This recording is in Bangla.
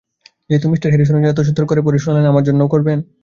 যেহেতু মিস্টার হ্যারিসনের জন্য এত সুন্দর করে পড়ে শোনালেন, আমার জন্যও করবেন?